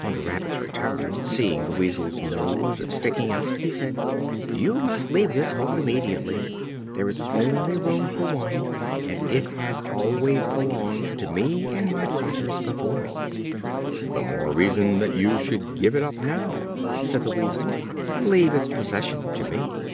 On the Rabbit's return, seeing the Weasel's nose sticking out, he said: "You must leave this hole immediately. There is only room for one, and it has always belonged to me and my fathers before me." "The more reason that you should give it up now," said the Weasel, "and leave its possession to me."